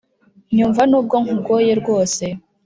Nyumva nubwo nkugoye rwose